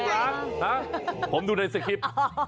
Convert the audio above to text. ๔ล้านฮะผมดูในสกริป